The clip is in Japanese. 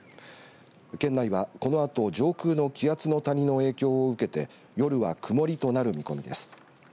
県内は、このあと上空の気圧の谷の影響を受けて夜は曇りとなる見込みです。